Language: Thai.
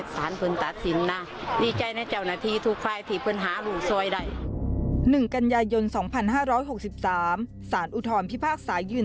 สารอุทรพิพากษายืน